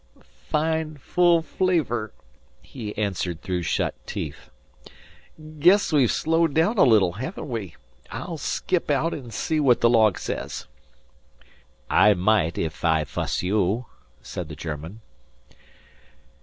"Fine, full flavor," he answered through shut teeth. "Guess we've slowed down a little, haven't we? I'll skip out and see what the log says." "I might if I vhas you," said the German.